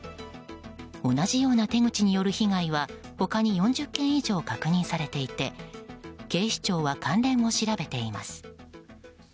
同じような手口による被害は他に４０件以上確認されていて警視庁は関連を調べています。